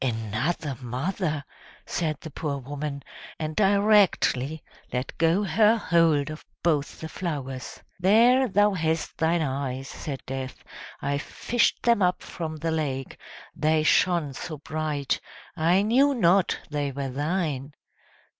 "Another mother!" said the poor woman, and directly let go her hold of both the flowers. "There, thou hast thine eyes," said Death; "I fished them up from the lake, they shone so bright; I knew not they were thine.